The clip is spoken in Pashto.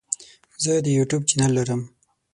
زه د یوټیوب چینل لرم.